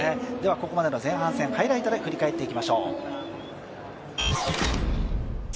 ここまでの前半戦ハイライトで振り返っていきましょう。